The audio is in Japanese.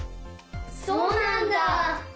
そうなんだ。